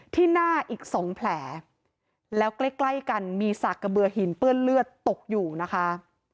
ที่หน้าอีกสองแผลแล้วใกล้ใกล้กันมีสากกระเบือหินเปื้อนเลือดตกอยู่นะคะ